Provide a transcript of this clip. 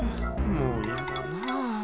もうやだなあ。